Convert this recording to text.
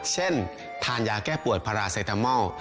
เช่นทานยาแก้ปวดพาราเซตามอล